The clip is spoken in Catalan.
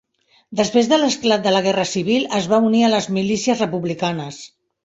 Després de l'esclat de la guerra civil es va unir a les milícies republicanes.